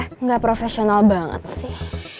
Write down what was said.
gue gak profesional banget sih